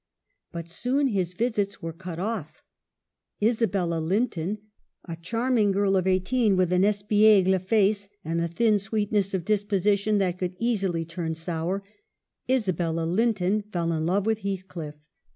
But soon his visits were cut off. Isabella Linton — a charming girl of eighteen with an espiegle face and a thin sweetness of disposition that could easily turn sour — Isabella Linton fell in love with Heathcliff.